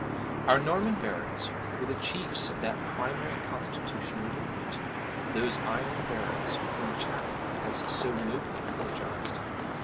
Our Norman barons were the chiefs of that primary constitutional movement; those "iron barons" whom Chatham has so nobly eulogized.